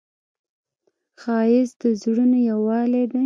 ښایست د زړونو یووالی دی